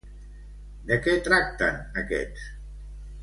De què tracten aquests?